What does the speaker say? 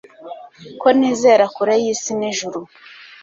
Ko nizera kure yisi n’ijuru